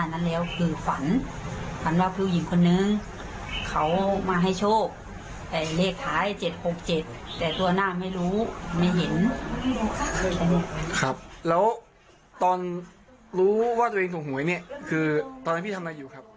แล้วตอนรู้ว่าตัวเองถูกหวยเนี่ยคือตอนนั้นพี่ทำอะไรอยู่ครับ